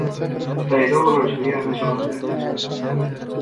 Daýza oglanjygyň ýerine jogap berdi: